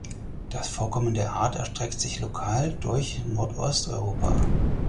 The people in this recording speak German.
Das Vorkommen der Art erstreckt sich lokal durch Nordosteuropa.